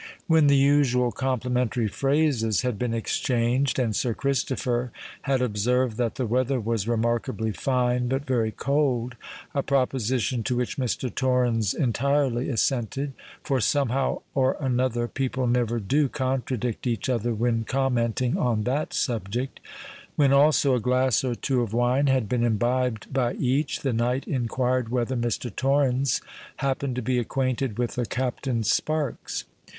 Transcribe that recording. When the usual complimentary phrases had been exchanged, and Sir Christopher had observed that the weather was remarkably fine but very cold—a proposition to which Mr. Torrens entirely assented—for somehow or another people never do contradict each other when commenting on that subject;—when, also, a glass or two of wine had been imbibed by each, the knight inquired whether Mr. Torrens happened to be acquainted with a Captain Sparks?